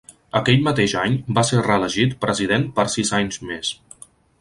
Aquell mateix any va ser reelegit president per sis anys més.